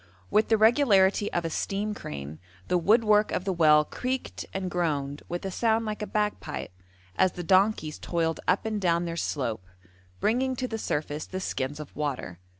With the regularity of a steam crane the woodwork of the well creaked and groaned with a sound like a bagpipe, as the donkeys toiled up and down their slope, bringing to the surface the skins of water.